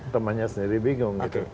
temannya sendiri bingung